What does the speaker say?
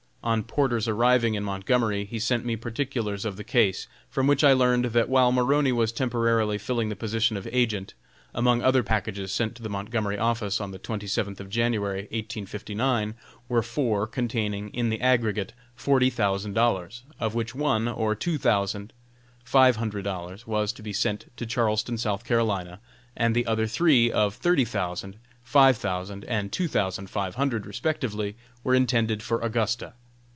On Porter's arriving in Montgomery he sent me particulars of the case, from which I learned that while Maroney was temporarily filling the position of agent, among other packages sent to the Montgomery office, on the twenty seventh of January, 1859, were four containing, in the aggregate, forty thousand dollars, of which one, of two thousand five hundred dollars, was to be sent to Charleston, S. C., and the other three, of thirty thousand, five thousand, and two thousand five hundred respectively, were intended for Augusta.